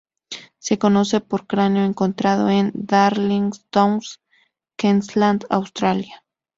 Se conoce por un cráneo encontrado en Darling Downs, Queensland, Australia.